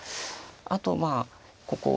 あとまあここ。